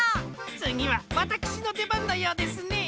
つぎはわたくしのでばんのようですね。